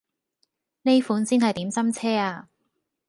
呢款先係點心車呀